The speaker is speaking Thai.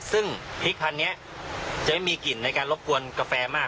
ซึ่งพริกพันธุ์นี้จะไม่มีกลิ่นในการรบกวนกาแฟมาก